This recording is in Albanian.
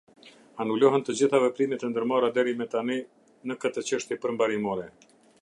Anulohen të gjitha veprimet e ndërmarra deri me tani në këtë çështje përmbarimore.